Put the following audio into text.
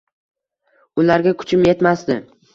Ularga kuchim yetmasdi